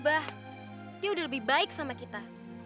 ibu tuh sekarang udah lebih baik sama kita